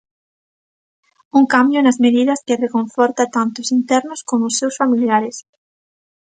Un cambio nas medidas que reconforta tanto ós internos como ós seus familiares.